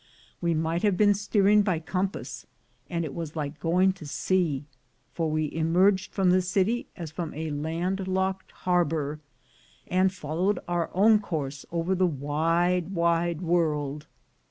We might have been steering by com pass, and it was like going to sea; for we emerged from the city as from a landlocked harbor, and fol lowed our own course over the wide wide world.